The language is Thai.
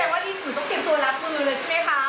ฟังที่ว่านี่กูต้องเจ็บตัวรับมือเลยใช่ไหมคะ